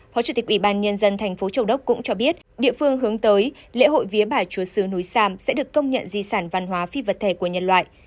hồ chủ tịch ủy ban nhân dân tp châu đốc cũng cho biết địa phương hướng tới lễ hội vía bà chúa sứ núi sam sẽ được công nhận dị sản văn hóa phi vật thể của nhân loại